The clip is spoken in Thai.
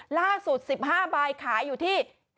ล่าสุด๑๕ใบขายอยู่ที่